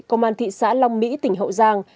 công an thị xã long mỹ tỉnh hậu giang